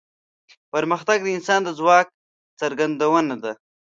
پرمختګ د انسان د ځواک څرګندونه ده.